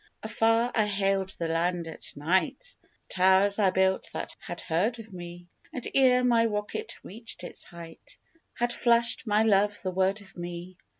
Afar, I hailed the land at night The towers I built had heard of me And, ere my rocket reached its height, Had flashed my Love the word of me.